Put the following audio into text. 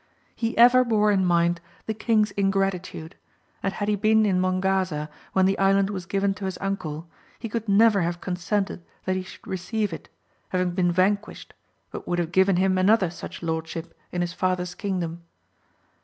He ever bore in mind the king's ingratitude ; and had he been in Mongaza when the island was given to his uncle, he could never have consented that he should receive it, having been van quished, but would have given him another such lordship in his father's kingdom.